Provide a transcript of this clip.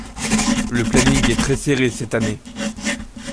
Le planning est très serré cette année.